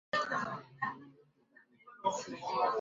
哈密棘豆为豆科棘豆属下的一个种。